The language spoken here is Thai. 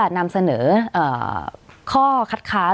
นำเสนอข้อคัดค้าน